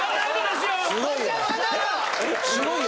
・すごいよね。